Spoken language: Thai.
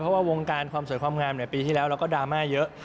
เพราะว่าวงการความสวยความงามปีที่แล้วเราก็ดราม่าเยอะ